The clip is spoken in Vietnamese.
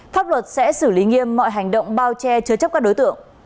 pháp luật sẽ xử lý nghiêm mọi hành động bao che chứa chấp các đối tượng